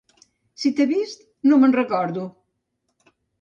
Si t'he vist, no me'n recordo!